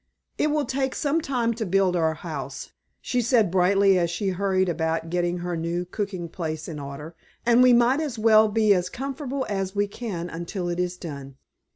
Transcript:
"It will take some time to build our house," she said brightly as she hurried about getting her new cooking place in order, "and we might as well be as comfortable as we can until it is done."